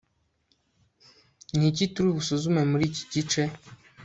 ni iki turi busuzume muri iki gice